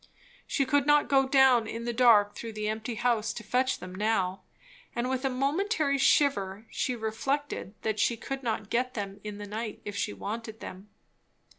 She could not go down in the dark through the empty house to fetch them now; and with a momentary shiver she reflected that she could not get them in the night if she wanted them.